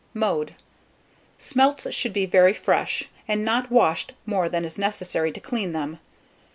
Mode. Smelts should be very fresh, and not washed more than is necessary to clean them.